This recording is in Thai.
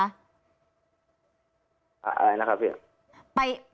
อะไรนะครับพี่